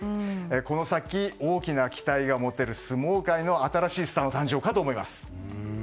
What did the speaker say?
この先、大きな期待が持てる相撲界の新しいスターの誕生かと思います。